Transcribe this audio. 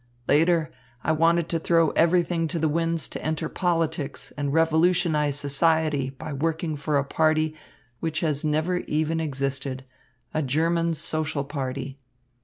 Later, I wanted to throw everything to the winds to enter politics and revolutionise society by working for a party which has never even existed, a German Social party.